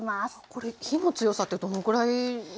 これ火の強さってどのぐらいなんでしょう？